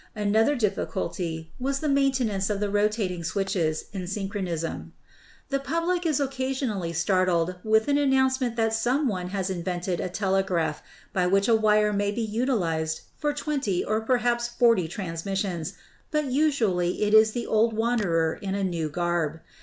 Another difficulty was the maintenance of the ro tating switches in synchronism. The public is occasionally startled with an announce ment that some one has invented a telegraph by which a wire may be utilized for twenty or perhaps forty trans missions, but usually it is the old wanderer in a new garb.